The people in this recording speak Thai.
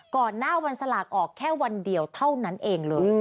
ก่อนหน้าวันสลากออกแค่วันเดียวเท่านั้นเองเลย